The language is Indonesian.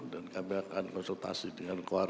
dan kami akan konsultasi dengan hukum saudara